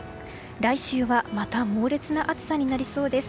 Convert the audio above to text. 来週はまた猛烈な暑さになりそうです。